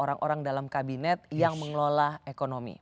orang orang dalam kabinet yang mengelola ekonomi